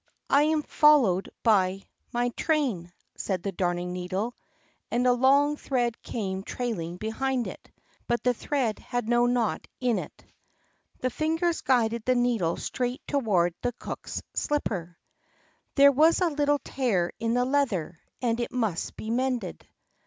I am followed by my train," said the Darning needle, and a long thread came trailing behind it; but the thread had no knot in it. The fingers guided the needle straight toward the cook's slipper. There was a little tear in the leather, and it must be mended.